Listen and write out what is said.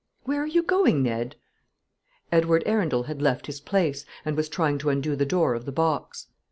Where are you going, Ned?" Edward Arundel had left his place, and was trying to undo the door of the box.